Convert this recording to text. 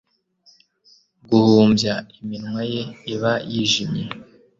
guhumbya. iminwa ye iba yijimye